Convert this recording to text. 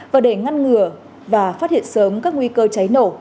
và để ngăn ngừa và phát hiện sớm các nguy cơ cháy nổ